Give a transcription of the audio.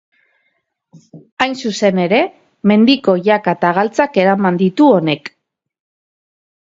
Hain zuzen ere, mendiko jaka eta galtzak eraman ditu honek.